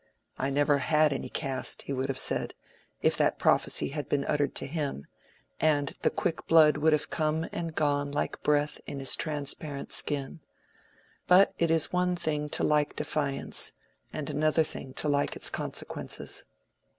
"I never had any caste," he would have said, if that prophecy had been uttered to him, and the quick blood would have come and gone like breath in his transparent skin. But it is one thing to like defiance, and another thing to like its consequences.